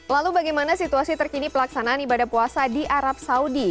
lalu bagaimana situasi terkini pelaksanaan ibadah puasa di arab saudi